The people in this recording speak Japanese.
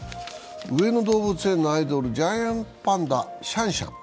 上野動物園のアイドル、ジャイアントパンダシャンシャン。